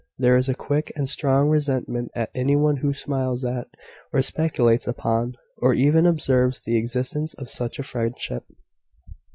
There is a quick and strong resentment at any one who smiles at, or speculates upon, or even observes the existence of such a friendship."